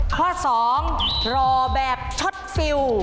ข้อ๒รอแบบช็อตฟิล